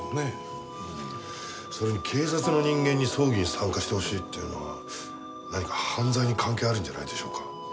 それに警察の人間に葬儀に参加してほしいっていうのは何か犯罪に関係あるんじゃないでしょうか。